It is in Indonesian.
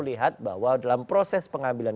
lihat bahwa dalam proses pengambilan